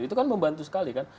itu kan membantu sekali kan